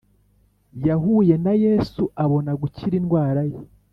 Yahuye na Yesu abona gukira indwara ye